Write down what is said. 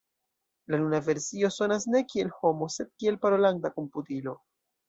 La nuna versio sonas ne kiel homo, sed kiel parolanta komputilo.